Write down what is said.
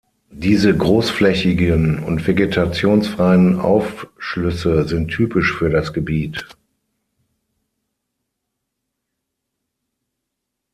Diese großflächigen und vegetationsfreien Aufschlüsse sind typisch für das Gebiet.